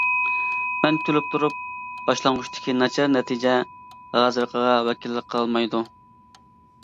مەن كۈلۈپ تۇرۇپ: باشلانغۇچتىكى ناچار نەتىجە ھازىرقىغا ۋەكىللىك قىلالمايدۇ.